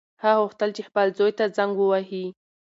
هغه غوښتل چې خپل زوی ته زنګ ووهي.